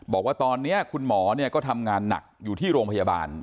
บอกว่าตอนนี้คุณหมอก็ทำงานหนักอยู่ที่โรงพยาบาล